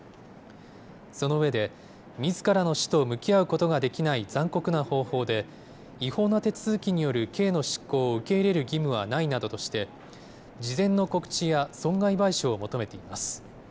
その上で、みずからの死と向き合うことができない残酷な方法で、違法な手続きによる刑の執行を受け入れる義務はないなどとして、事前の告知や損害賠償を求めています。